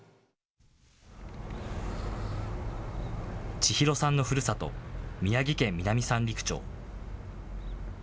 千裕さんのふるさと、宮城県南三陸町。